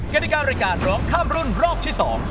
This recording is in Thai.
กฎิการายการร้องข้ามรุ่นรอบที่๒